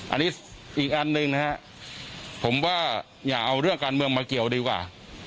อันนี้อีกอันหนึ่งนะฮะผมว่าอย่าเอาเรื่องการเมืองมาเกี่ยวดีกว่า